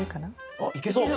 あっいけそう。